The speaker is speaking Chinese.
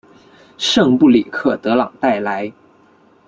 圣布里克德朗代莱。